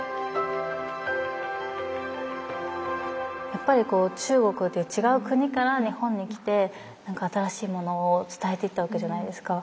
やっぱり中国っていう違う国から日本に来て何か新しいものを伝えていったわけじゃないですか。